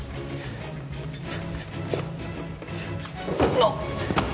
うわっ！